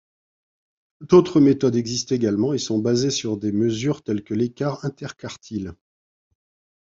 D'autres méthodes existent également et sont basées sur des mesures telles que l'écart interquartile.